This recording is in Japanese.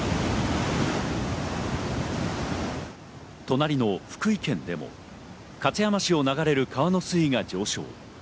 隣の福井県でも勝山市を流れる川の水位が上昇。